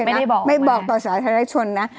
ไม่บอกไม่บอกต่อสาธารณชนนะ